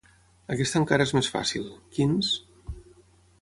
Aquesta encara és més fàcil: quins?